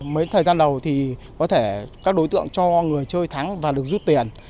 mấy thời gian đầu thì có thể các đối tượng cho người chơi thắng và được rút tiền